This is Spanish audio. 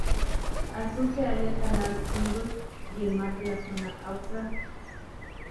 Al sur se halla el canal Beagle y el mar de la Zona Austral.